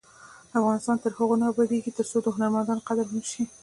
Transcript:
افغانستان تر هغو نه ابادیږي، ترڅو د هنرمندانو قدر ونشي.